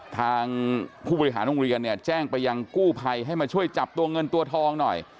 ทางผู้บริหารโรงเรียนเนี่ยแจ้งไปยังกู้ภัยให้มาช่วยจับตัวเงินตัวทองหน่อย